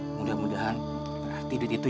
mudah mudahan berarti duit itu ya